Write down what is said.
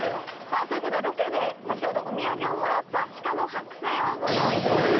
さぁということでロケで先ほどお土産をもらった鹿の剥製をご用意しました。